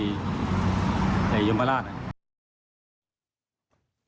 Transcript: อยู่ในโรงพยาบาลยมราช